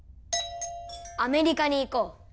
アメリカに行こう